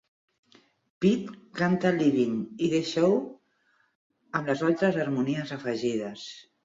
Pete canta "Leaving" i "The Show" amb les altres harmonies afegides.